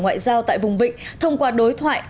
ngoại giao tại vùng vịnh thông qua đối thoại